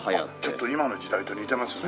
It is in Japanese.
ちょっと今の時代と似てますね。